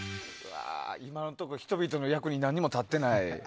今のところ人々の役に何も立ってない。